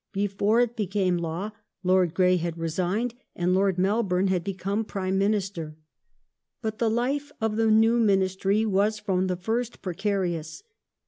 Before it became law Lord Grey had resigned, and^^*^^ Lord Melbourne had become Prime Minister. But the life of the new Ministry was from the first precarious.